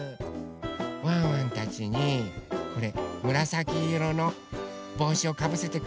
ワンワンたちにこれむらさきいろのぼうしをかぶせてくれたのよね。